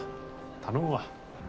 頼むわ。